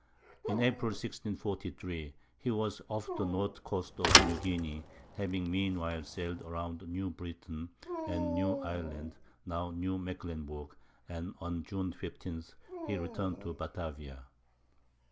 In April, 1643, he was off the north coast of New Guinea, having meanwhile sailed around New Britain and New Ireland (now New Mecklenburg), and on June 15 he returned to Batavia.